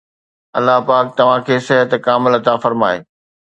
الله پاڪ توهان کي صحت کامل عطا فرمائي.